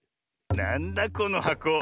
なんだこのはこ？